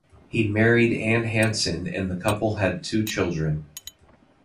He married Ann Hanson and the couple had two children.